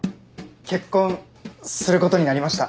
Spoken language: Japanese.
結婚することになりました。